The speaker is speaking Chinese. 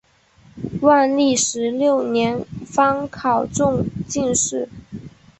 万历十六年方考中进士。